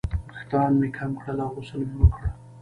ویښتان مې کم کړل او غسل مې وکړ.